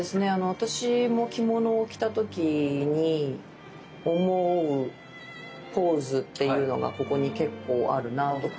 私も着物を着た時に思うポーズっていうのがここに結構あるなぁと。